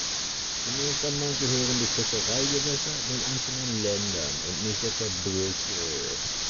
Zunächst einmal gehören die Fischereigewässer den einzelnen Ländern und nicht etwa Brüssel.